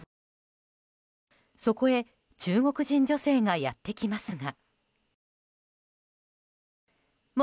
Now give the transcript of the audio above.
そこへ中国人女性がやってきますが。